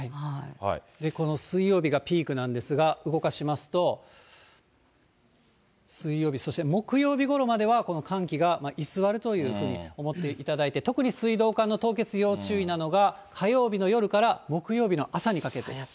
この水曜日がピークなんですが、動かしますと、水曜日、そして木曜日ごろまではこの寒気が居座るというふうに思っていただいて、特に水道管の凍結、要注意なのが、火曜日の夜から木曜日の朝にかけて。